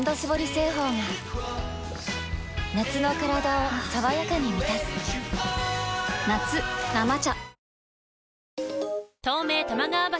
製法が夏のカラダを爽やかに満たす夏「生茶」